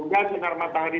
sehingga sinar matahari